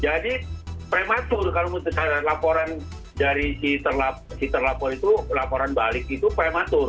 jadi prematur kalau misalnya laporan dari si terlapor itu laporan balik itu prematur